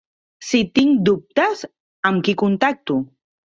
Si tinc dubtes amb qui contacto?